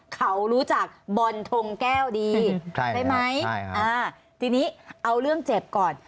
เขารู้จักบอลทงแก้วดีใช่ไหมทีนี้เอาเรื่องเจ็บก่อน